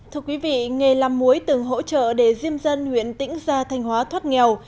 thưa quý vị nghề làm muối từng hỗ trợ để diêm dân huyện tỉnh ra thanh hóa thoát nghèo